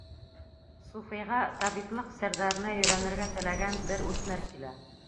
Суфыйға табиплыҡ серҙәренә өйрәнергә теләгән бер үҫмер килә.